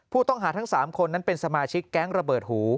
ผู้ต้องหาทั้ง๓คนนั้นเป็นสมาชิกแก๊งระเบิดหู